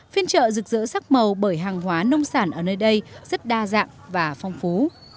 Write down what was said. phiên trợ rực rỡ sắc màu bởi hàng hóa nông sản ở nơi đây rất đa dạng và phong phú